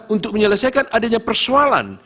untuk menyelesaikan adanya persoalan